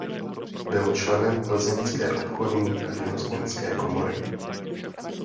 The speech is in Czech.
Byl členem plzeňské Obchodní a živnostenské komory.